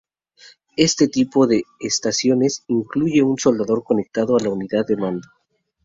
Este tipo de estaciones incluye un soldador conectado a la unidad de mando.